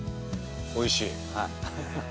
おいしい。